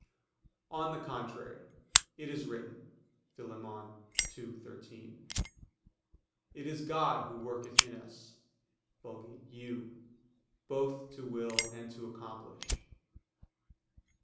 On the contrary, It is written (Phil. 2:13): "It is God who worketh in us [Vulgate 'you'] both to will and to accomplish."